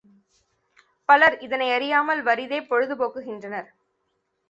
பலர் இதனையறியாமல் வறிதே பொழுது போக்குகின்றனர்.